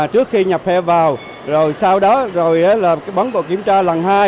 trước khi nhập heo vào rồi sau đó là bóng bộ kiểm tra lần hai